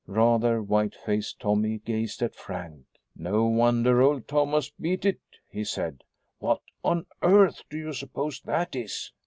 Rather white faced, Tommy gazed at Frank. "No wonder old Thomas beat it!" he said. "What on earth do you suppose that is?"